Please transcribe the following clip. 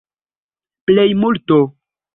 plejmulto